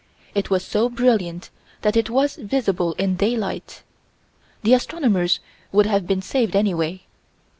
It was so brilliant that it was visible in daylight. The astronomers would have been saved anyway.